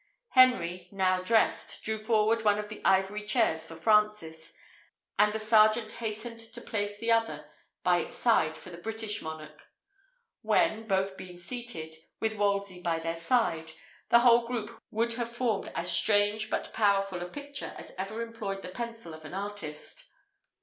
Henry, now dressed, drew forward one of the ivory chairs for Francis, and the sergeant hastened to place the other by its side for the British monarch; when, both being seated, with Wolsey by their side, the whole group would have formed as strange but powerful a picture as ever employed the pencil of an artist.